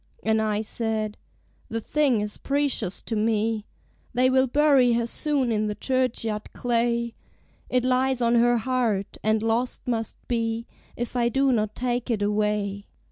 And I said "The thing is precious to me: They will bury her soon in the churchyard clay; It lies on her heart, and lost must be If I do not take it away."